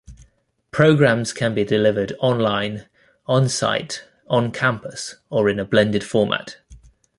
Programs can be delivered online, onsite, on campus or in a blended format.